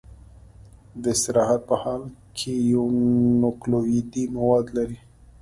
د استراحت په حال کې یو نوکلوئیدي مواد لري.